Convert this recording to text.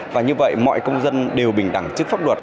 và như vậy mọi công dân đều bình đẳng trước pháp luật